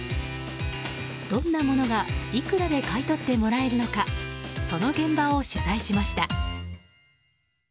どんなものがいくらで買い取ってもらえるのかその現場を取材しました。